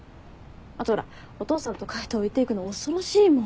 あとほらお父さんと海斗置いていくの恐ろしいもん。